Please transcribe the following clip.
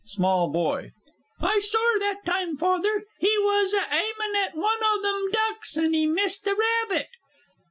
_ SMALL BOY. I sor that time, Father. He was a aiming at one o' them ducks, an' he missed a rabbit!